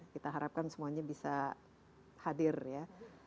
kita harapkan semuanya bisa hadir ya